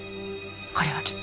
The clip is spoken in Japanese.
これはきっと。